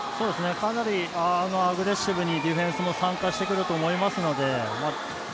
かなりアグレッシブにディフェンスも参加してくると思いますので。